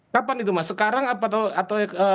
kapan itu mas sekarang apa atau sebelumnya